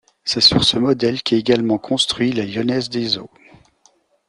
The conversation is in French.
C'est sur ce modèle qu'est également construit la Lyonnaise des eaux.